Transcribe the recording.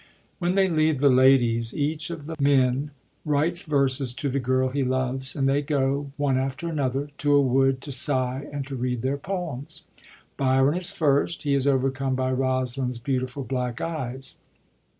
When they leave the ladies, each of the men writes verses to the girl he loves, and they go, one after another, to a wood to sigh, and to read their poems. Biron is first; he is overcome by Rosaline's beautiful black eyes.